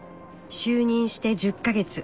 就任して１０か月。